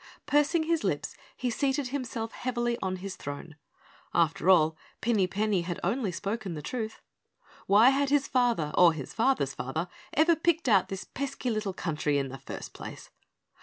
Pursing his lips, he seated himself heavily on his throne. After all, Pinny Penny had only spoken the truth. Why had his father or his father's father ever picked out this pesky little country in the first place?